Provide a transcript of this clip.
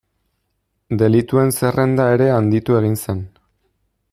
Delituen zerrenda ere handitu egin zen.